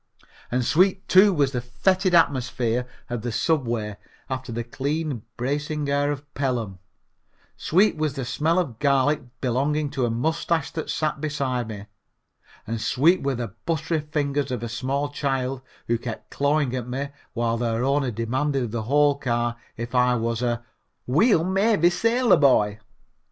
And sweet, too, was the fetid atmosphere of the subway after the clean, bracing air of Pelham, sweet was the smell of garlic belonging to a mustache that sat beside me, and sweet were the buttery fingers of a small child who kept clawing at me while their owner demanded of the whole car if I was a "weal mavy sailor boy?"